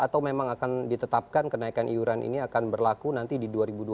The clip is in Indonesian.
atau memang akan ditetapkan kenaikan iuran ini akan berlaku nanti di dua ribu dua puluh